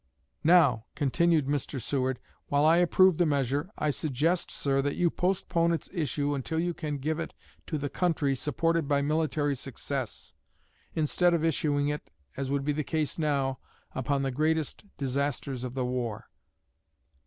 'Now,' continued Mr. Seward, 'while I approve the measure, I suggest, sir, that you postpone its issue until you can give it to the country supported by military success, instead of issuing it, as would be the case now, upon the greatest disasters of the war!'"